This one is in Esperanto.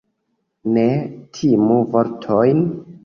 Ne timu vortojn.